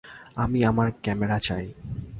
আমি আমার ক্যামেরা চাই!